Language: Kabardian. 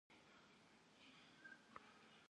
Di tıkuenım şaşe belhtoi, ç'estumi, batinç'i, tuflhi.